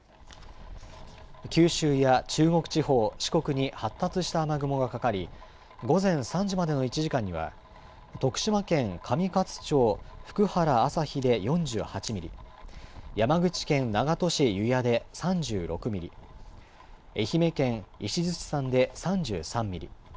九州や中国地方、四国に発達した雨雲がかかり、午前３時までの１時間には徳島県上勝町福原旭で４８ミリ、山口県長門市油谷で３６ミリ、愛媛県石鎚山で３３ミリ。